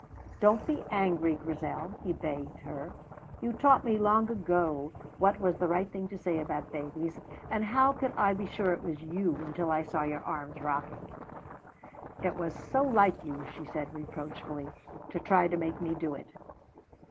Don't be angry, Grizel," he begged her. "You taught me, long ago, what was the right thing to say about babies, and how could I be sure it was you until I saw your arms rocking?" "It was so like you," she said reproachfully, "to try to make me do it."